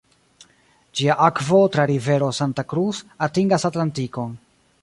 Ĝia akvo tra rivero Santa Cruz atingas Atlantikon.